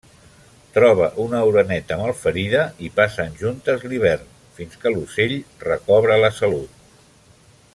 Troba una oreneta malferida i passen juntes l'hivern, fins que l'ocell recobra la salut.